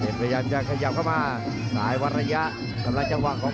ไม่นอนครับจิ้มซ้ายหลงล่าง